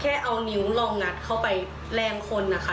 แค่เอานิ้วลองงัดเข้าไปแรงคนนะคะ